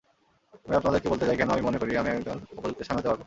আমি আপনাদেরকে বলতে চাই কেন আমি মনেকরি, আমি একজন উপযুক্ত স্বামী হতে পারব।